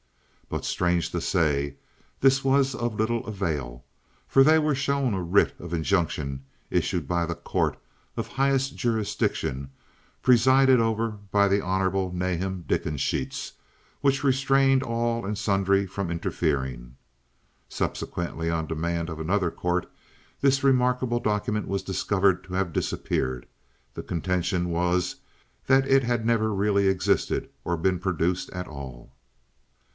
But, strange to say, this was of little avail, for they were shown a writ of injunction issued by the court of highest jurisdiction, presided over by the Hon. Nahum Dickensheets, which restrained all and sundry from interfering. (Subsequently on demand of another court this remarkable document was discovered to have disappeared; the contention was that it had never really existed or been produced at all.)